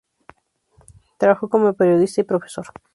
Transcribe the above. Trabajó como periodista y profesor.